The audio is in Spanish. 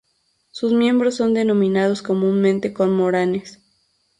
Sus miembros son denominados comúnmente cormoranes.